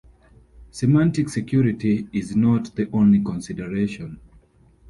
Semantic security is not the only consideration.